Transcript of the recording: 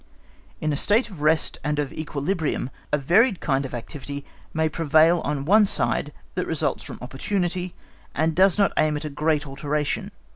In a state of rest and of equilibrium a varied kind of activity may prevail on one side that results from opportunity, and does not aim at a great alteration.